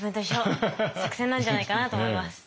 作戦なんじゃないかなと思います。